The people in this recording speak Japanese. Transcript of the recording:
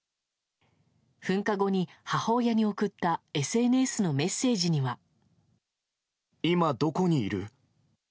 噴火後に母親に送ったＳＮＳのメッセージには。